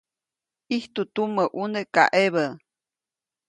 ʼIjtu tumä ʼuneʼ kaʼebä.